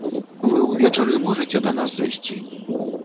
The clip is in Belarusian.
Вы ўвечары можаце да нас зайсці?